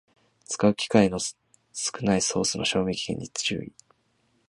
使う機会の少ないソースの賞味期限に注意